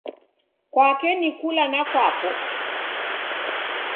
Kwake ni kula na kwapo